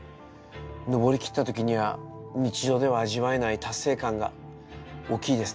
登りきった時には日常では味わえない達成感が大きいですね。